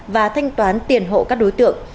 và thanh toán tiền hộ các đối tượng